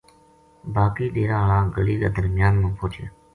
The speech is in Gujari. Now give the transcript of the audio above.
باقی ڈیرا ہالا گلی کا درمیان ما پوہچیا